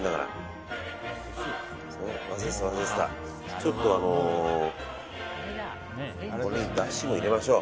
ちょっと、だしも入れましょう。